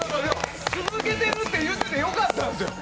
続けてるって言って良かったんです。